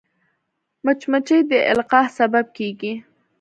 مچمچۍ د القاح سبب کېږي